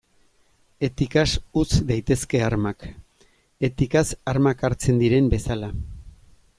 Etikaz utz daitezke armak, etikaz armak hartzen diren bezala.